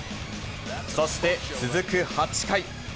そして続く８回。